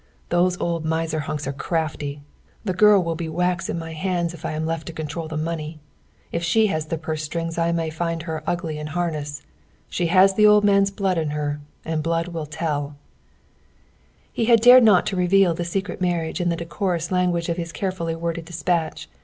"Those old miser hunks are crafty! The girl will be wax in my hands if I am left to control the money. If she has the purse strings I may find her ugly in harness. She has the old man's blood in her, and blood will tell." He had not dared to reveal the secret marriage in the decorous language of his carefully worded dispatch.